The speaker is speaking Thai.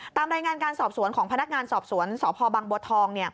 ตามรายงานการสอบสวนของพนักงานสอบสวนสพบังบัวทอง